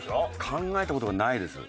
考えた事がないです。